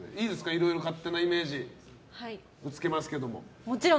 いろいろ勝手なイメージをぶつけますけど。